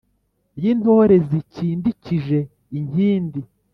y’intore zikindikije inkindi